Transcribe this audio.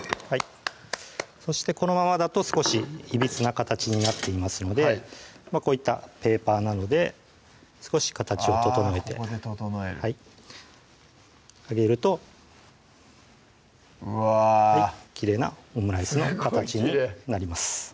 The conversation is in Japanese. そしてこのままだと少しいびつな形になっていますのでこういったペーパーなどで少し形を整えてここで整えるはいあげるとうわきれいなオムライスの形になります